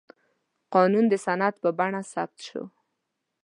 قانون د سند په بڼه تثبیت شو.